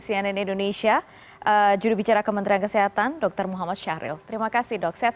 cnn indonesia juru bicara kementerian kesehatan dr muhammad syahril terima kasih dok sehat